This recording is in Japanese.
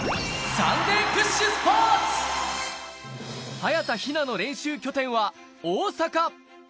早田ひなの練習拠点は大阪。